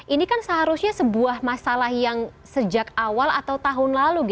ini kan seharusnya sebuah masalah yang sejak awal atau tahun lalu